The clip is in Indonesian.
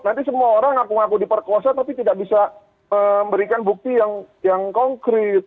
nanti semua orang ngaku ngaku diperkosa tapi tidak bisa memberikan bukti yang konkret